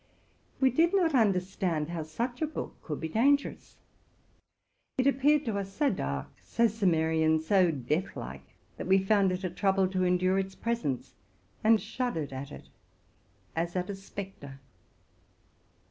We did not understand how such a book could be dangerous. It appeared to us so dark, so Cimmerian, so deathlike, that we found it a trouble to endure its presence, and shuddered at it as at a spectre.